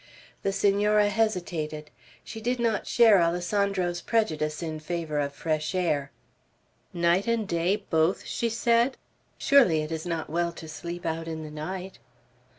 The Senora hesitated. She did not share Alessandro's prejudice in favor of fresh air. "Night and day both?" she said. "Surely it is not well to sleep out in the night?"